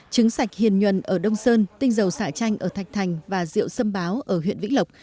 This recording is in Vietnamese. trứng sạch hiền nhuần ở đông sơn tinh dầu xả chanh ở thạch thành và rượu xâm báo ở huyện vĩnh lộc